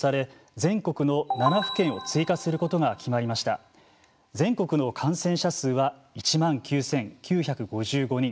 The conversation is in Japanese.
全国の感染者数は１万９９５５人。